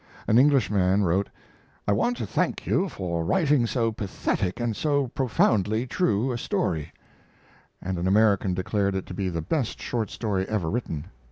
An Englishman wrote: "I want to thank you for writing so pathetic and so profoundly true a story"; and an American declared it to be the best short story ever written.